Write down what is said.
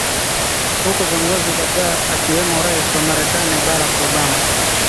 huku viongozi kadhaa akiwemo rais wa marekani barack obama